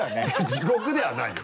地獄ではないよ